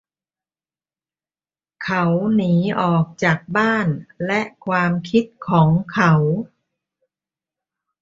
เขาหนีออกจากบ้านและความคิดของเขา